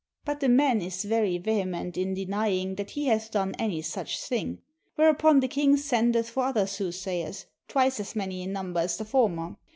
But the man is very ve hement in denying that he hath done any such thing. Whereupon the king sendeth for other soothsayers, twice as many in number as the former.